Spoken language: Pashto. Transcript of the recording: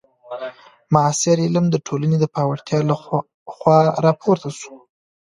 معاصر علم د ټولني د پیاوړتیا له خوا راپورته سو.